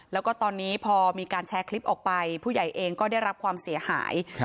แล้วก็ตอนนี้พอมีการแชร์คลิปออกไปผู้ใหญ่เองก็ได้รับความเสียหาย